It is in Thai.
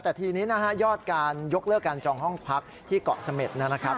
แต่ทีนี้นะฮะยอดการยกเลิกการจองห้องพักที่เกาะเสม็ดนะครับ